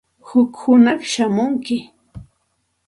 Huk hunaq shamunki.